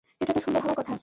এটা তো সুন্দর হবার কথা।